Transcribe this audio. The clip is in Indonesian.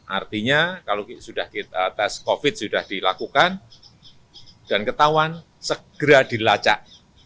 artinya kalau sudah kita tes covid sembilan belas sudah dilakukan dan ketahuan segera dilacak